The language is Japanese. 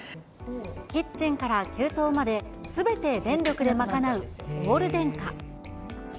キッチンから給湯まですべて電力で賄うオール電化。